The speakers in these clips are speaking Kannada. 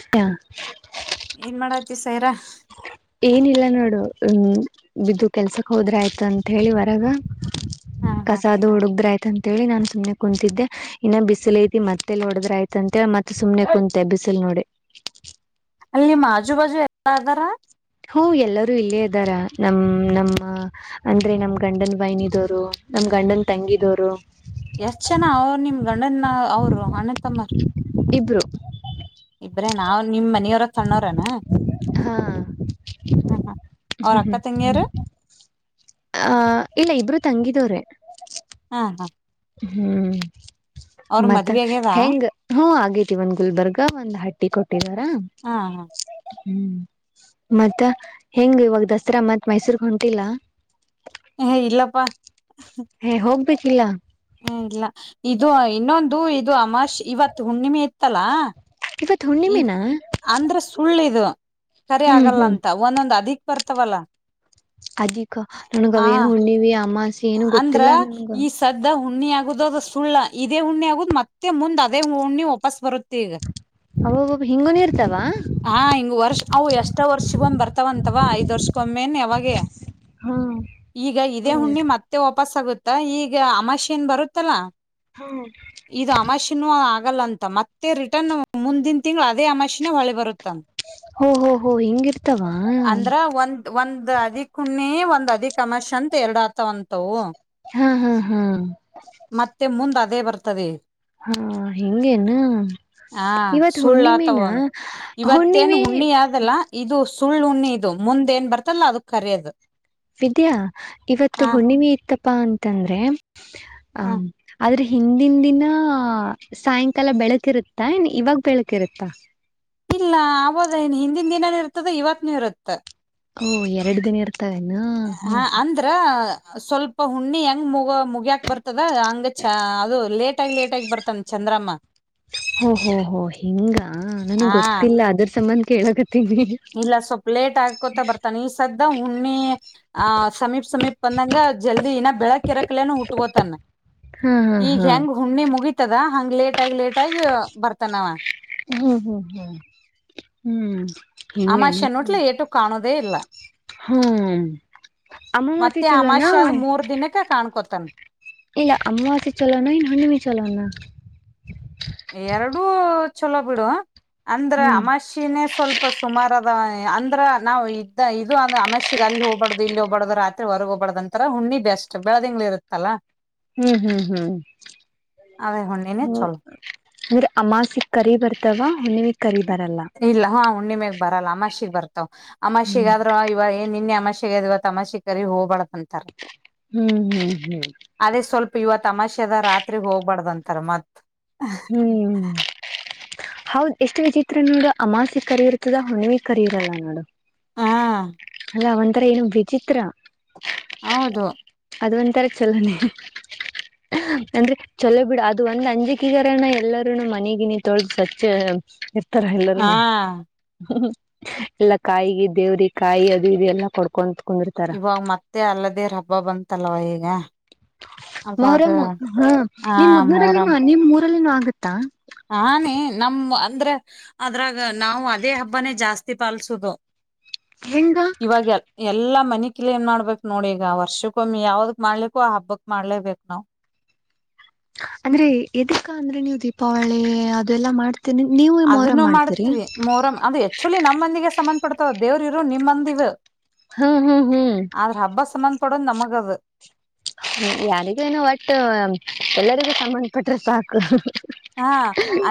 ಿತ [unintelligible] ಏನ್ ಮಾಡತಿ ಸೈರಾ ಹ ಏನಿಲ್ಲ ನೋಡು ಹ್ಮ ಬಿದ್ದು ಕೆಲ್ಸಕ್ ಹೋದ್ರ ಆಯ್ತ ಅಂತ ಹೇಳಿ ಹೊರಗ ಹಾ ಹಾ ಕಸಾದ ಹುಡುಗದ್ರ ಆಯ್ತ ಅಂತೇಳಿ ನನ್ ಸುಮ್ನೆ ಕುಂತಿದ್ದೆ ಇನ್ನ ಬಿಸಿಲು ಐತಿ ಮತ್ತೇಲ್ ನೋಡ್ರ ಆಯ್ತ ಅಂತೇಳ ಮತ್ತತ್ ಸುಮನೆ ಕುಂತೆತೆ ಬಿಸಿಲ್ ನೋಡಿ [unintelligible] ಅಲ್ಲಿ ಮಾಜು ಬಾಜು ಎಲ್ಲದಾರ ಹ್ಮ ಎಲ್ಲರೂ ಇಲ್ಲೇ ಇದ್ದಾರ ನಮ ನಮ್ಮ ಅಂದ್ರೆ ನಮ್ ಗಂಡನ ಬಾಯನಿದವರು ನಮ ಗಂಡನ್ ತಂಗಿದವರು ಎಷ್ಟ ಜನ ಅವರು ನಿಮ ಗಂಡನ ಅವರು ಅಣಂತಮ್ಮರ್ ಇಬ್ರು ನಾವ್ ನಿಮ್ ಮನೆಯವರ ಸಣ್ಣೋರನಾ ಹಾಮ ಅವ್ರ ಅಕ್ಕ ತಂಗಿಯರು ಅ ಇಲ್ಲ ಇಬ್ರು ತಂಗಿದವ್ರೆ ಹಾ ಹಾ ಹ್ಮ್ ಅವ್ರ ಮತ್ತ ಮದ್ವೆ ಆಗ್ಯದ ಹೆಂಗ ಹ ಆಗೇತಿ ಒಂದ ಗುಲ್ಬರ್ಗ ಒಂದ್ ಹಟ್ಟಿ ಕೊಟ್ಟಿದಾರ ಹಾ ಹಾ ಹ್ಮ್ ಮತ್ತ ಹೆಂಗ ಇವಾಗ ದಸರಾ ಮತ್ತ್ ಮೈಸೂರ್ ಹೊಂಟಿಲ್ಲ ಹ್ಮ ಇಲ್ಲಪ್ಪಾ ಹ ಹೋಗ್ಬೇಕಿಲ್ಲ ಹ ಇಲ್ಲ ಇದು ಇನ್ನೊಂದು ಇದು ಅಮಾಶ್ ಇವತ್ತು ಹುಣ್ಣಿಮೆ ಇತ್ತಲಾ ಇವತ್ ಇದು ಹುಣ್ಣಿಮೆನಾ ಅಂದ್ರೆ ಸುಳ್ಳಿದದು ಕರಿ ಹ್ಮ್ ಆಗಲ್ಲ ಹ್ಮ್ ಅಂತ ಒಂದೊಂದ್ ಅದಿಕ್ ಬರ್ತವಲ್ಲ ಅದಿಕ ನು ಗವೇಏನು ಹುಣ್ಣವಿ ಅಮ್ಮ ಅಂದ್ರ ಈ ಸ್ದ ಹುಣ್ಣಿ ಆಗುದುದು ಅದ ಸುಳ್ಳ ಇದೇ ಹುಣ್ಣಿ ಆಗುದುದು ಮತ್ತೆ ಮುಂದ್ ಅದೇ ಹುಣ್ಣಿ ವಾಪಸ್ ಬರುತ್ತೆ ಈಗ ಅವಬ್ಬ ಹಿಂಗನು ಇರ್ತಾವ ಹಾ ಹಿಂಗ ವರ್ಷ ಅವು ಎಷ್ಟ ವರ್ಷ ಬಂದ್ ಬರ್ತಾವಂತ ಅವಾ ಐದ್ ವರ್ಷಕೊಮ್ಮೆನ್ ಯಾವಾಗ ಹಾ ಈಗ ಇದೇ ಹ್ಮ್ ಹುಣ್ಣಿ ಮತ್ತ ವಾಪಸ್ಗುತ್ತ ಈಗ ಅಮಾಶಿನ್ ಬರುತ್ತಲ ಇ ಅಮಾಶಿ ಆಗಲ್ಲ ಅಂತ ಮತ್ತೆ ರಿಟರ್ನ್ ಮುಂದಿನ ತಿಂಗಳು ಅದೇ ಆ ಮಷಿನ್ ಹೊಳೆ ಬರುತ್ತೆ ಹೋ ಹೋ ಹೋ ಹಿಂಗಿರ್ತವಾ ಅಂದ್ರ ಒಂದ ಒಂದ ಅದ ಒ ಒಂದು ಅಧಿಕಮಶ ಅತ್ ಎರಡು ಆತ ಒ ಹಾ ಹಾ ಹಾ ಮತ್ತೆ ಮುಂದ ಅದೇ ಬರ್ತದೆ ಹಾ ಹೆಂಗೇನು ಹ ಸುಳ್ಳತ ಒಂದು ಇವತ್ತೇನ್ ಹುಣ್ಣಿಮೆ ಹುಣ್ಣಿ ಅಲ್ಲ ಇದು. ಸುಳ್ಳು ಹುಣ್ಣಿ ಇದು ಮುಂದ ಏನ್ ಬರ್ತಲ್ಲ ಅದಕ್ ಕರೆಯೋದು. ವಿದ್ಯಾ ಇವತ್ತು ಹುಣ್ಣಿಮೆ ಇತ್ತಪ್ಪ ಅಂತಂದ್ರೆ ಆ ಹ ಆದ್ರೆ. ಹಿಂದಿನ ದಿನಾ ಸಾಯಂಕಾಲ ಬೆಳಕಿರುತ್ತಾ ಏನ್ ಇವಾಗ ಬೆಳಕಿರುತ್ತ. ಇಲ್ಲ ಆಬೋದ ಏನ ಹಿಂದಿನ ದಿನಾನು ಇರ್ತದೆ ಇವತ್ನುೂ ಇರುತ್ತ. ಓ ಎರಡು ದಿನ ಇರ್. ಹಾ ಅಂದ್ರ. ಸ್ವಲ್ಪ ಹುಣ್ಣಿ ಹೆಂಗ್ ಮುಗ ಮುಗ್ಯಾಕ್ ಬರ್ತದ ಹಂಗ ಚ ಅದು ಲೇಟ್. ಲೇಟ್ ಆಗಿ ಬರ್ತಾನ ಚಂದ್ರಮ. ಹೊಓಹೋ ಹೋ ಹಿಂಗ ನನ್ಗೆ ಹಾ ಗೊತ್ತಿಲ್ಲ ಅದ್ರ ಸಂಬಂಧ ಕೆಳಕತ್ತೇನ. ಇಲ್ಲ ಸ್ವಲ್ಪ ಲೇಟ್ ಆಗ್ಕೋತ ಬರ್ತಾನ ನೀ ಸ್ದ ಹುಮ್ಮಿ ಆ ಸಮೀಪ್ ಸಮೀಪ್ ಬಂದಂಗ. ಜಲ್ದಿ ಇನ ಬೆಳಕಿರಕ್ಲನು ಹೂಟ್ಗೋತಾನ ಹಾ ಈಗ ಹಾ ಹೆಂಗ ಹುಣ್ಣಿ ಮುಗಿ. ತದ ಹಂಗ್ ಲೇಟ್ ಆಗಿ ಲೇಟ್ ಆಗಿ ಬರ್ತಾನವ. ಹಓ ಹ್ಮ ಹ್ಮ್ ಹ್ಮ್. ಅಮಸಿ ಹಿಂಗೇನು ಅನ್ನೋಟಲೆ ಏಟು ಕಾಣೋುದೇ ಇಲ್ಲ. ಹ್ಮ್ ಅಮಾವಾಸಿ ಮತ್ತೆ ಚೊಲೋ ನಾ. ಅಮಾಶ್ಯ ಆದ್ ಮೂರ್ ದಿನಕ್ಕ ಕಾಣ್ಕೋತಾನ ಇಲ್ಲ ಅಮ್ಮಾವಾಸೆ ಚಲೋಣ ಏನ್ ಹುಣ್ಣಿ ಚಲೋಣ. ಎರಡೂ ಚಲೋ ಬಿಡು ಅಂದ್ರ ಹ್ಮ್ ಅಮಾಶಿನೇ ಸ್ವಲ್ಪ ಸುಮಾರ. ಅಂದ್ರ ನಾವು ಇದ್ದ ಇದು ಅ ಅಮಶಿಗೆ ಅಲ್ಲಿ ಹೋಗ್ಬಾರ್ದು ಇಲ್ಲಿ ಹೋಗಬಾರ್ದು ರಾತ್ರಿ ಹೊರಗಗ್ ಹೋಗಬಾರ್ದ ಅಂತರ. ನ್ನಿ ಬೆಸ್ಟ್ ಬೆಳದಿಂಗಳು ಇರುತ್ತಲ್ಲಾ. ಹ್ಮ್ ಹ್ಮ್ ಹ್ಮ್ ಅದೇ ಹುಣ್ಣಿನೇ ಹ. ಚಲೋ ಇವ್ರ ಅಮಾಸಿಕ್ ಕರಿ ಬರ್ತವ ಹುಮ್ಮಿ. ಇಲ್ಲ ಹಾ ಹುಣ್ಣಿಮೆಾಗ ಬರಲ್ಲ ಅಮಾಷಿಗ್ ಬರ್ತಾವ ಅಮಾಷಿಗ ಹ್ಮ್ ಆದ್ರ ಇವ ಏನ್ ನಿನ್ನೆ ಅಮ. ಸಿಗದವ ಇವತ್ತ ಅಮಾಸಿ ಕರಿ ಹೋಗ್ಬಾರ್. ಹ್ಮ್ ಹ್ಮ್ ಹ್ಮ್. ಇವತ ಅಮಾಷ ಅದ ರಾತ್ರಿಗ್ ಹೋಗ್ಬಾರ್ದಂತಾರ ಮತ್. ಹ್ಮ್. ಹೌದ್ ಎಷ್ಟು ವಿಚಿತ್ರ ನೋಡು ಅಮಾಸಿ ಕರಿ ಇರ್ತದ ಹುಣಿವಿ ಕರಿ ಇರಲ್ಲ ನೋಡು. ಹಾ. ಅಲ್ಲ ಒಂಥರ ಏನು ವಿಚಿತ್ರ. ಹೌದು. ಅದ ಒಂಥರ ಚಲೋಲೆ. ಅಂದ್ರೆ ಚೊಲೋ ಬಿಡ ಅದು ಒಂದ್ ಅಂಜಕಿಗಾರನ ಎಲ್ಲರನು ಮಣಿಗಿನಿ ತೊಳಸತ್ತ. ಛೇ ಬಿಸ್ತರ ಎಲ್ಲರೂ ಹಾ ಹ್ಮ. ಎಲ್ಲ ಕಾಯಿಗೆ ದೇವ್ರ ಕಾಯಿ ಅದು ಇದು ಎಲ್ಲ ಕೊಡ್ಕೊಂತ. ಕುಂದಿರ್ತಾರ. ಇವಾಗ ಮತ್ತೆ ಅಲ್ಲದೆೇ ಹಬ್ಬ ಬಂತಲ್ವ ಈಗ. ಅವಾಗ ಮೊಹರಂ ಹಾ ನಿಮ್ ಮುದ್ನೂರಲ್ಲಿನ ನಿಮ್ ಊರಲ್ಲಿನು ಆಗತ್ತೆ. ಹಾನಿ ನಮ ಅಂದ್ರೆ ಅದ್ರಾಗ ನಾವು ಅದೇ ಹಬ್ಬನೇ ಜಾಸ್ತಿ ಪಲ್ಸುದು. ಹೆಂಗ ಇವಾಗ ಎಲ್ಲ. ಮನಿ ಕ್ಲೀನ್ ಏನ್ ಮಾಡ್ಬೇಕ್ ನೋಡಿ ಈಗ ವರ್ಷಕ್ಕೊ ಒಮ್ಮಿ ಯಾವ್ದ ಹಬ್ಬಕ್ಕ ಮಾಡ್ಲಿಕ್ಕೋ ಆ ಹಬ್ಬಕ್ ಮಾಡ್ಲೇಬೇಕು ನಾವ್. ಅಂದ್ರೆ ಇದಕ್ಕ ಅಂದ್ರೆ ನೀವು ದೀಪಾವಳಿ ಅದೆಲ್ಲ ಮಾಡ್ತ. ಅದನ್ನು ಮಾಡ್ತೀವಿ ಮೋರಂ ಅದು ಆಕ್ಟುಯಲ್ಲಿ ನಮ್ಮಂದಿಗೆ ಸಂಬಂ. ಪಡ್ತಾವ ದೇವ್ರ ಇರು ನಿಮ್ಮ ಮಂದಿದ. ಹ್ಮ್ ಹ್ಮ್ ಹ್ಮ್. ಪಡ ನಮಗ ಅದ. ಹ್ಮ ಯಾರಿಗೇನು ಒಟ್ಟು ಎಲ್ಲರಿಗೂ ಸಂಬಂಧಪಟ್ರೆ ಸಾಕು. ಹಾ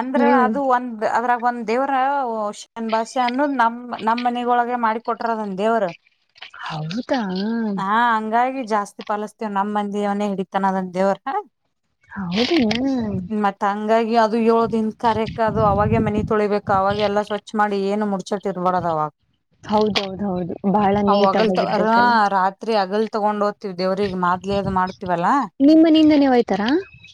ಅಂದ್ರ ಹ್ಮ್. ಅದು ಒಂದ ಅದ್ರ. ಒಂದ್ ದೇವ್ರಷ ಭಾಷೆ ಅನ್ನು ನಮ್ ನಮ್ಮ್ನೆಗೊಳಗೆ ಮಾಡಿ ಕೊಟ್ರ ಅದ್ನ ದೇವರು. ಹೌದಾ. ಹಂಗಾಗಿ ಜಾಸ್ತಿ ಪಾಲಿಸಸ್ತೇವ ನಮ್ ಮಂದಿ ಅವನೇ ಹಿಡಿತಾನ ಅದ ದೇವ್ರ ಹಾ. ಹೌದು ಹಂಗಾಗಿ ಅದು ಏಳು ದನ್ ಕರೆಕ್ ಅದು ಅವಾಗೆ ಮನೆಿ ತೊಳಿಬೇಕು ಅವಾಗೆಲ್ಲ ಸ್ವಚ್ಛ ಮಾಡಿ ಏನು ಮುತ ಇಬಡದ ಅವ ಹೌದೌದ ಹೌದು ಬಹಳ ನೀಟ್ ಅವಲ್ತ ಆಗಿರ್ಬೇಕಲ್ಲ. ರಾತ್ರಿ ಅಗಲ್ ದೇವ್ರಿಗೆ ಮಾದ್ಲಿ ಅದು ಮಾಡ್ತೀವಲ್ಲ ನಿಮ್ ಮನಿಂದಾನೇ ಹೋಯ್ತಾರಾ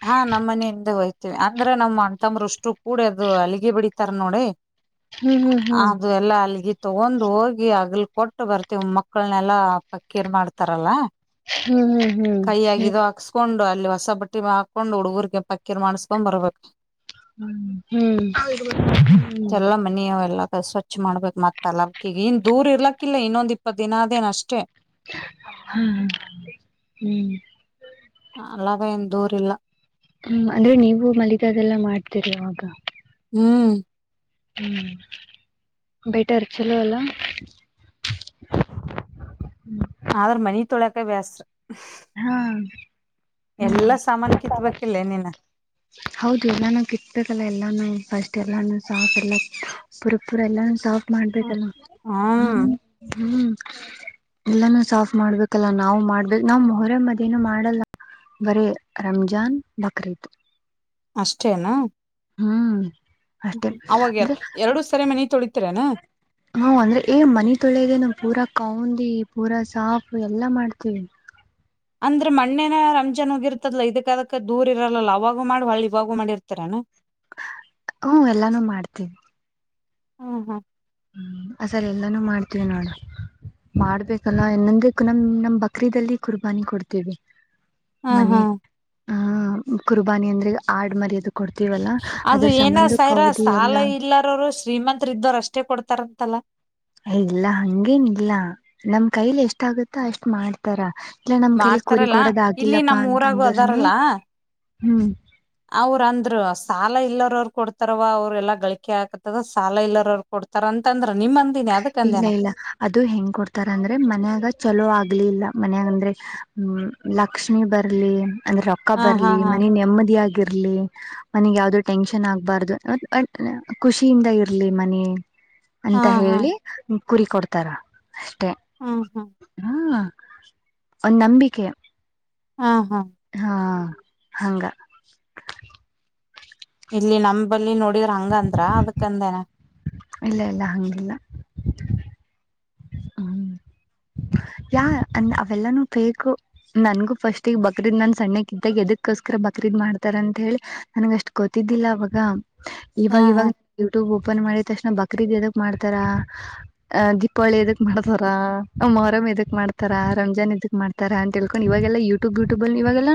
ಹಾ ನಮ್ಮ ಮನಿಂದ ಹಯ್ತ ಅಂದ್ರೆ ನಮ್ ಅಣಂತಂಬರುಷ್ಟರು ಕೂಡ ಅದು ಅಲ್ಲಿಗೆ ಬಿಡಿತಾರ ನೋಡಿ ಹ್ಮ್ ಹ್ಮ್ ಅದು ಎಲ್ಲಾ ಅಲ್ಲಿಗೆ ತಗೊಂಡ್ ಹೋಗಿ ಆಗ್ಲ್ ಕೊಟ್ಟು ಬರ್ತಿವ ಮಕ್ಕಳನೆಲ್ಲಾ ಪಕ್ಕೀರ್ ಮಾಡ್ತಾರಲ್ಲ ಹ್ಮ್ ಹ್ಮ್ ಕೈ ಹ್ಮ್ ಆಗಿದೋ ಹಾಕ್ಸ್ಕೊಂಡು ಅ ಲ್ಲಿ ಹೊಸ ಬಟ್ಟಿ ಹಾಕೊಂಡ್ ಹುಡುಗರ್ಗೆ ಪಕ್ಕೀಿರ್ ಮಾಡ್ಸ್ಕೊಂಡ್ ಬರ್ಬೇಕು ಹ್ಮ ಹ್ಮ್ ಹ್ಮ ಎಲ್ಲಾ ಮನಿ ಅವೆಲ್ಲ ಸ್ವಚ್ಛ ಮಾಡ್ಬೇಕಕ್ ಮತ್ತ ಅಲ್ಲ ಅವಕಗ ಇನ್ ದೂರ್ ಇರ್ಲಕ್ಕಿಲ್ಲ ಇನ್ನೊಂದ್ ಇಪ್ಪತ್ ದಿನ ಅದೇನ ಅಷ್ಟೇ ಹಾ ಹ್ಮ್ ಅಲ್ಲದೇ ಏನ್ ದೂರಿಲ್ಲ ಹ್ಮ್ ಅಂದ್ರೆ ನೀವು ಮಲಗದೆೆಲ್ಲಾ ಮಾಡ್ತೀರಿ ಅವಾಗ ಹ್ಮ್ ಹ್ಮ್ ಬಯಟರ್ ಚಲೋವಲ್ಲ ಹ್ಮ ಆದ್ರ ಮನಿ ತೊಳಕ ವ್ಯಸ್ತ್ರ ಹಾ ಎಲ್ಲಾ ಹ್ಮ್ ಸಾಮಾನ ಕಿತ್ಬೇಕಿಲ್ಲೇ ನೀನ್ ಹೌದು ಎಲ್ಲಾನು ಕಿತ್ಬೇಕಲ್ಲ ಎಲ್ಲಾನು ಫಸ್ಟ್ ಎಲ್ಲಾನು ಸಾಫ್ ಎಲ್ಲ ಪುರಪುರ ಎಲ್ಲಾನು ಸಾಫ್ ಮಾಡ್ಬೇಕಲ್ಲ ಹ್ಮ್ ಹ್ಮ ಹ್ಮ್ ಎಲ್ಲಾನೂ ಸಾಫ್ ಮಾಡ್ಬೇಕಲ್ಲ ನಾವು ಮಾಡ್ಬೇಕ ನಾವ್ ಹೊರ ಮದೇನು ಮಾಡಲ್ಲ ಬರೇ ರಂಜಾನ್ ಬಕ್ರೀದು ಅಷ್ಟೇನಾ ಹ್ಮ್ ಅಷ್ಟೇ ಅವಾಗ ಅಂದ್ರೆ ಎರಡು ಸರಿ ಮನಿ ತೊಳಿತೀರೇನ ಹಾ್ ಅಂದ್ರೆ ಏ್ ಮನ ತೊಳೆದೆ ನ ಪೂರಾ ಕೌಂದಿ ಪೂರಾ ಸಾಫು ಎಲ್ಲಾ ಮಾಡ್ತೀವಿ ಅಂದ್ರೆ ಮಣ್ಣೇನ ರಂಜನ್ ಹೋಗಿರ್ತದಲ ಇದಕ್ಕ ಅದಕ್ ದೂರ್ ಇರಲ್ಲ ಅವಾಗೂ ಮಾಡುವಳ ಇವಾಗೂ ಮಾಡಿರ್ತಾರಾನ ಹ್ಮ ಎಲ್ಲಾನು ಮಾಡ್ತೀವಿ ಹ್ಮ ಹಾ ಹ್ಮ್ ಆ ಸರಿ ಎಲ್ಲಾನು ಮಾಡ್ತೀವಿ ನೋಡು ಮಾಡ್ಬೇಕಲ್ಲ ಇನ್ನೊಂದ ನಮ್ ನಮ್ ಬಕ್ರೀಿದಲ್ಲಿ ಕುರ್ಬಾನಿ ಕೊಡ್ತೇವಿ ಹ್ಮ ಹಾ ಆ ಕುರ್ಬಾನಿ ಅಂದ್ರೆ ಆಡ್ ಮರ್ಯೋದಕ್ಕೆ ಅದು ಏನ ಸೈರ ಸಾಲ ಎಲ್ಲ ಇಲ್ಲಾರರು ಶ್ರೀಮಂತತ್ರ ಇದ್ದರು ಅಷ್ಟೇ ಕೊಡ್ತ ತರಂತಲ್ಲ ಇಲ್ಲ ಹಂಗೇನ ಇಲ್ಲ ನಮ್ ಕೈಲಿ ಎಷ್ಟಾಗುತ್ತೋ ಅಷ್ಟ್ ಮಾಡ್ತಾರ ಇಲ ನಮ್ ಕಲ್ಲಿ ಕುರಿ ಮಾಡ್ತಾರಲ್ಲಾ ಕೊಡೋದ ಇಲ್ಲಿ ಆಗಿಲ್ಲಪ್ಪಾ ನಮ್ ಊರಾಗು ಅಂತಂದ್ರನು ಹ್ಮ್ ಅವ್ರಂದ್ರ ಸಾಲ ಇಲ್ಲರ ಅವರು ಕೊಡ್ತಾರವ ಅವ್ರ ಎಲ್ಲ ಗಳಿಕೆ ಆಕತದ ಸಾಲ ಇಲ್ಲರವ್ರ ಕೊ ತಾರ ಅಂತಂದ್ರ ನಿಮ್ಮ ಇಲ್ಲ ಇಲ್ಲ ಅದು ಹೆಂಗ್ ಕೊಡ್ತಾರ ಅಂದ್ರೆ ಮನ್ಯಾಗ ಚಲೋ ಆಗ್ಲಿಲ್ಲ ಮನ್ಾಗಂದ್ರೆ ಹ್ಮ್ ಲಕ್ಷ್ಮಿ ಬರ್ಲಿ ಅಂದ್ರೆ ರೊಕ್ಕ ಹ ಹಾ ಬರ್ಲಿ ಹಾ ಮನ ನೆಮ್ಮದಿಯಾಗಿ ರ್ಲಿ ಮನಗ್ ಯಾವ್ದೋ ಟೆನ್ಷನ್ ಆಗ್ಬಾರ್ದು ಖುಷಿಯಿಂದ ಇರ್ಲಿ ಮನ ಹಾ ಅಂತ ಹಾ ಹೇಳಿ ಕುರಿ ಕೊಡ್ತಾರ ಅಷ್ಟೆ ಹಾ ಹಾ ಹಾ ಒಂದ್ ನಂಬಿಕೆ ಹಾ ಹಾ ಹಾ ಹಂಗ ಇಲ್ಲಿ ನಮ ಬಲ್ಲಿ ನೋಡಿದ್ರ ಹಂಗಂದ್ರ ಅದಕಂದೇನ ಇಲ್ಲ ಇಲ್ಲ ಹಂಗಿಲ್ಲ ಹ ಯಾ ಅಂದ ಅವೆಲ್ಲಾನು ಬೇಕು ನನ್ಗೂ ಫಸ್ಟಗ್ ಬಕ್ರೀದ್ ನಾನ್ ಸಣ್ಣಕ್ ಇದ್ದಾಗ ಎದಕ್ಕೋಸ್ಕರ ಬಕ್ರೀ ಇದ್ ಮಾಡ್ತಾರ ಅಂತ ಹೇಳಿ ನನ್ಗ ಅಷ್ಟ್ ಗೊತ್ತಿದ್ದಿಲ್ಲ ಅವಾಗ ಹಾ ಇವಾಗ ಹಾ ಇವಾಗ ಯೂಟ್ಯೂಬ್ ಓಪನ್ ಮಾಡಿದ ತಕ್ಷಣ ಬಕ್ ಕ್ರೀದಿ ಎದಕ್ ಮಾಡ್ತಾರ ಅ ದೀಪಾವಳಿ ಎದಕ್ ಮಾಡ್ತಾರ ಮೊಹರಮ್ ಇದಕ್ ಮಾಡ್ತಾರ ರಂಜಾನ್ ಇದಕ್ ಮಾಡ್ತಾರ ಅಂತ ಹೇಳ್ಕೊಂಡು ಇವಾಗೆಲ್ಲ ಯೂಟ್ಯೂಬ್ ಯೂಟ್ಯೂಬ್ ಅಲ್ಲಿ ಇಗೆಲ್ಲ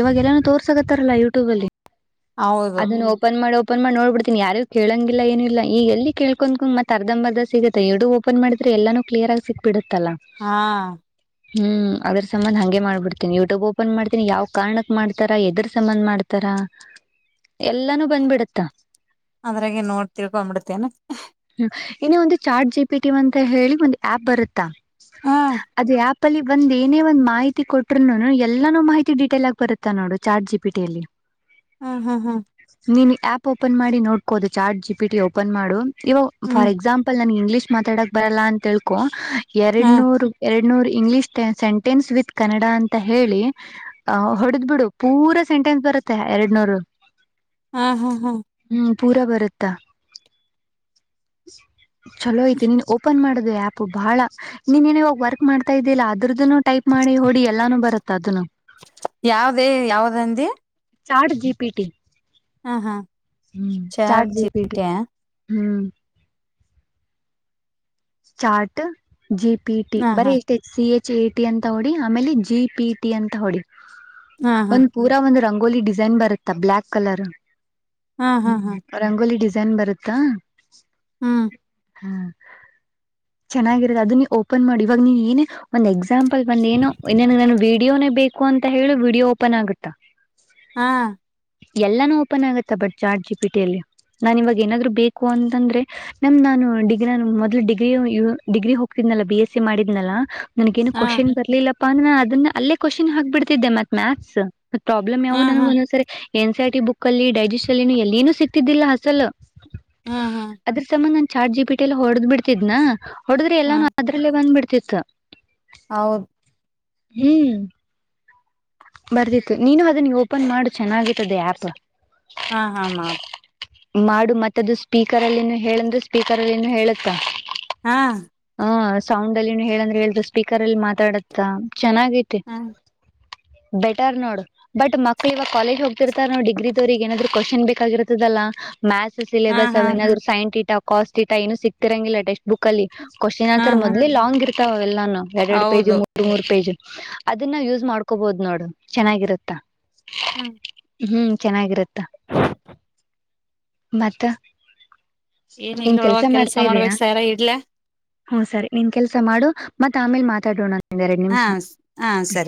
ಇವಾಗ ಎಲ್ಲಾನ ತೋರ್ಸಕತ್ತಾರಲ್ಲ ಯೂಟ್ಯೂಬ್ ಅಲ್ಲಿ ಹೌದು ಅದನ್ನು ಓಪನ್ ಮಾಡೋ ಓಪನ್ ಮಾಡ ನೋಬ ಬಿಡ್ತಿನನ ಯಾರು ಕೇಳಂಗಿಲ್ಲ ಏನು ಇ ಈ ಎಲ್ಲಳ್ಕೊಂಡ್ಕಂಗ ಮತ್ತ ಅರ್ಧಮ ಅರ್ದ ಸಿಗುತ್ತೆ ಎರಡು ಓಪನ್ ಮಾಡಿದ್ರಿ ಎಲ್ಲೂ ಕ್ಯ ಆಗ ಸಿಕ್ಬಿಡು ಹಾ ಹ್ಮ್ ಅದ್ರ ಸಂಬಂಧ್ ಹಂಗೆ ಮಾಡ್ಬಿಡ್ತನಿ ಯೂಟ್ಯೂಬ್ ಓಪನ್ ಮಾಡ್ತೀನಿ ಯಾವ ಕಾರಣಕ್ ಮಾಡ್ತಾರಾ ಎದ್ರ ಸಂಬಂಧ್ ಮಾಡ್ತಾರ ಎಲ್ಲಾನು ಬಂದ್ಬಿಡತ್ತಾ ಅದ್ರಾಗೆ ನೋಡ್ ತಿಳ್ಕೊಂಬಿಡ್ತೇನೆ ಇನ ಒಂದು ಚಾರ್ಟ್ ಜಿ ಪಿ ಟಿಅಂತ ಹೇಳಿ ಒಂದು ಆ್ಯಪ್ ಬರುತ್ತಾ ಹ ಅದು ಆಪ್ ಲ್ಲಿ ಒಂದ್ ಏನೇ ಒಂದ್ಹತಿ ಕೊಟ್ರು ಎಲ್ಲಾನು ಮಾಹಿತಿ ಡಿಟೇಲ್ ಆಗಿ ಬರುತ್ತಾ ನೋಡು ಚಾರ್ಟ್ ಜಿ ಪಿಟಿಯಲ್ಲಿ ಹ್ಮ ಹಾ ಹಾ ಹಾ ಆ್ಯಪ್ ಓಪನ್ ಮಾಡಿ ನೋಡ್ಕೋುದು ಚಾರ್ ಜಿ ಪಿಟಿ ಓಪನ್ ಮಾಡು ಇವಾಗ ಹ್ಮ್ ಫಾರ್ ಎಕ್ಸಾಂಪಲ್ ನನ್ಗೆ ಇಂಗ್ಲೀಷ್ ಮಾತಾಡಕ್ ಬರಲ್ಲ ಅಂತಕೊ ಹ ಎರಡ್ ಎೂ ಇಂಗ್ಲಷ್ ಸೆಂಟೆನ್ಸ್ ವಿತ್ ಕನ್ನಡ ಅಂತ ಹೇಳಿ ಹೊಡೆದ್ ಬಿಡು ಪೂರ ಸೆಂಟೆನ್ಸ್ ಬ ಎರಡ್ ನೂರು ಹ್ಮ್ ಹ್ಮ್ ಹ್ಮ್ ಪೂರ ಬರುತ್ತಾ ಚಲೋ ಐತಿ ನೀ ಓಪನ್ ಮಾಡ ಆ್ಯಪ್ ಬಹಳ ನೀನು ಇವಾಗ ವರ್ಕ್ ಮಾಡ್ತಾ ಇದ್ದಿಲ್ಲ ಅದ ಟೈಪ್ ಮಾಡಿ ಹೊಡಿ ಎಲ್ಲಾನೂ ಬ ತ್ತ ಅದನ್ನು ಯಾವ್ದೇ ಯಾವ್ದಂದ ಚಾರ ಜಿಪಿಟಿ ಹ್ಮ ಚಾರ ಜಿಪಿಟಿ ಹ್ಮ ಚಾರ್ಟ ಜಿ ಪಿ ಟಿ ಹಾ ಬರ ಹಾ ಎಷ್ಟ ಸಿ ಎಚ್ ಚೆಟಿ ಅಂತ ಹೊಡಿ ಆಮೇಲೆ ಜಿ ಪಿ ಟಿ ಅಂತ ಹೊಡಿ ಹಾ ಹಾ ಒಂದು ಪೂರಾ ಒಂದು ರಂಗ ರಂಗೋಲಿ ಡಿಸೈನ್ ಬರುತ್ತಾ ಬ್ಲಾಕ್ ಕಲರ್ ಹಾ ಹಾ ಹಾ ಹ್ಮ ರಂಗೋಲಿ ಡಿಸೈನ್ ಬರುತ್ತಾ ಹ್ಮ್ ಹ್ಮ ಚೆನ್ನಾಗಿರೋದು ಅದು ನೀ ಓಪನ್ ಮಾಡಿ ಇವಾಗ ನೀ ಏನೇ ಒಂದ ಎಕ್ಸಾಂಪಲ್ ಬಂದು ಏನೋ ಇ ವ ವಿಡಿಯೋನೇ ಬೇಕು ಅಂತ ಹೇಳಿ ವಿಡಿಯೋ ಓಪನ್ ಆಗುತ್ತಾ ಹಾ ಎಲ್ಲಾನು ಓಪನ್ ಆಗತ್ತ ಬಟ್ ಚಾರ್ ಜಿ ಪಿ ಟಿಲ್ಲಿ ನಾನ್ ಇವಾಗ ಏನಾದ್ ಬೇಕು ಅಂತಂದ್ರೆ ನಮ್ದ್ ನಾನು ಡಿಗ ನಾನ ಮೊದ್ಲು ಡಿ ಡಿಗ್ರಿ ಹೋಗ್ತಿದ್ನಲ್ಲ ಬಿ ಎಸ್ ಸಿ ಮಾಡಿದ್ನಲ್ಲ ನನಗ ಏನು ಹಾ ಕ್ನ್ ಬರ್ಲಿಲ್ಲ ಅ ಅದನ್ನ ಅಲ್ಲೇ ಕ್ವಶನ್ ಹಾಕ್ಬ ಬಿಡದ್ದೆ ಮತ್ ಮ್ಯಾತ್ಸ್ ಮತ್ ಪ್ರಾಬ್ಲಮ್ ಹಾ ಯಾವವು ನನಗ ಹಾ ಒಂದ್ಸರಿ ಎನ್ ಸಿ ಆರ್ಟಿ ಬುಕ್ ಅಲ್ಲಿ ಡೈಜೆಸ್ ಅಲ್ಲಿ ಎಲ್ಲಿ ನು ಸಿಕ್ತಿದ್ದಿಲ್ಲ ಅಸಲ್ಲ ಹಾ ಹಾ ಅದ್ರ ಸಂಬಂಧ ಚಾರ ಜಿ ಪಿಟಿ ಎಲ್ಲ ಹೊಡೆದ್ ಬಿಡ್ತಿದ್ನಾ ಹೊಡೆದ್ರೆ ಹಾ ಎಲ್ಲಾನು ಅದ್ರಲ್ಲೇ ಬಂದ್ ಬಿಡ್ತಿತ್ತು ಹೌದು ಹ್ಮ್ ಬರ್ದಿತ್ತು ನೀನು ಅದನ್ ಓಪನ್ ಮಾಡು ಚೆನ್ನಾಗಿತ್ತದೆ ಆ್ಯಪ್ ಹಾ ಹಾ ಮಾಡ್ ಮಾಡು ಮತ್ತದು ಸ್ಪೀಕರ್ ಅಲ್ಲಿನನು ಹೇಳಂದ್ರೆ ಸ್ಪೀಕರ್ ಅಲ್ಲಿನನು ಹೇಳುತ್ತ ಹಾ ಹಾ ಸೌಂಡ್ ಅಲ್ಲಿನ ಹೇಳಂದ್ರೆ ಹೇಳತು ಸ್ಪೀಕರ್ ಅಲ್ಲಿ ಮಾತಾಡತ್ತ ಚೆನ್ನಾಗೈತೆ ಹಾ ಬೆಟರ್ ನೋಡ್ ಬಟ್ ಮಕ್ಳ ಇವಾಗ ಕಾಲೇಜ್ ಹೋಗ್ತಿರ್ತ ನೋಡ್ ಡಿಗ್ರಿ ತವ್ರಗ್ ಏನಾದ್ರು ಕ್ವಶನ್ ಬೇಕಾಗಿರ್ತದಲ್ಲಾ ಮ್ಯಾಥಸ್ ಹಾ ಸಿಲೆಬಸ್ ಹಾ ಅವ ನಾದ್ರು ಸೈಂಟ್ ಇಟಾ ಕಾಸ್ಟ್ ಇಟಾ ಏನು ಸಿಕ್ತಿರಂಗಿಲ್ಲಟೆಕ್ಸ್ಟ್ ಬುಕ್ ಅಲ್ಲಿ ಕ್ವಶನ್ ಆಂತರ್ ಹಾ ಮೊದ್ಲೆ ಲಾಂಗ್ ಇರ್ತಾವೆಲ್ಲಾನ ಎರ ಎರಡ್ ಪೇಜ್ ಹೌದು ಮೂರ್ ಮೂರ್ ಪೇಜ್ ಅದನ್ನ ಯೂಸ್ ಮಾಡ್ಕೋಬೋದ ನೋಡು ಚೆನ್ನಾಗಿರುತ್ತ ಹ್ಮ ಹ್ಮ ಚೆನ್ನಾಗಿರುತ್ತೆ ಮತ್ತುತ್ತ ಏನ್ ಇಲ್ಲೊಳವ ಕೆಲ್ಸ ಮಾಡ್ಬೇಕಕ್ ಸ್ಯಾರ ಇಡ್ಲ ಹ್ಮ ಸರಿ ನಿನ್ ಕೆಲ್ಸ ಮಾಡು ಮತ್ತ ಆಮೇಲೆ ಮಾತಾಡೋಣಂದಂದ ಎರಡು ಹಾ ನಿಮಿಷ ಹಾ ಸರಿ